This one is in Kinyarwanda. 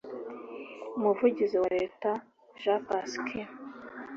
umuvugizi wa Leta Jen Psaki